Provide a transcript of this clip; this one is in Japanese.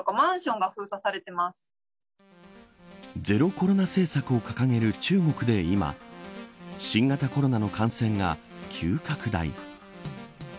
ゼロコロナ政策を掲げる中国で今新型コロナの感染が急拡大。